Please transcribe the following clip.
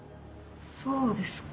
そうですか。